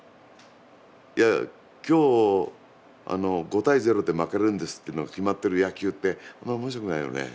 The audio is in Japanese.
いや今日５対０で負けるんですってのが決まってる野球ってあんまり面白くないよね。